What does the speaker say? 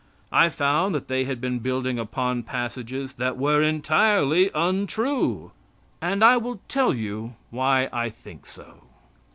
I found that they had been building upon passages that were entirely untrue. And I will tell you why I think so.